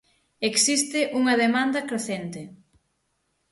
Existe unha demanda crecente.